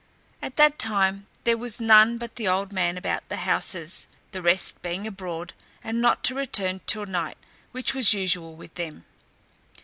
At that time there was none but the old man about the houses, the rest being abroad, and not to return till night, which was usual with them.